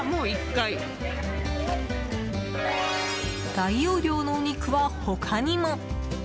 大容量のお肉は他にも。